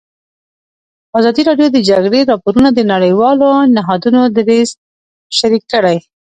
ازادي راډیو د د جګړې راپورونه د نړیوالو نهادونو دریځ شریک کړی.